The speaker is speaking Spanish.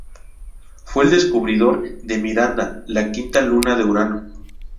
Fue el descubridor de Miranda, la quinta luna de Urano.